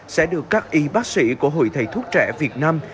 sẽ được các y bác sĩ của hội thầy thuốc trẻ việt nam